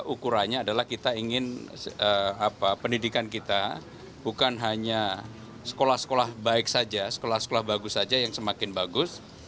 ukurannya adalah kita ingin pendidikan kita bukan hanya sekolah sekolah baik saja sekolah sekolah bagus saja yang semakin bagus